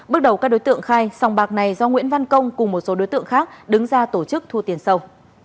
bước đầu các đối tượng khai sòng bạc này do nguyễn văn công cùng một số đối tượng khác đứng ra tổ chức thu tiền sâu